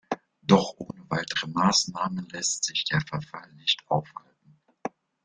Doch ohne weitere Maßnahmen lässt sich der Verfall nicht aufhalten.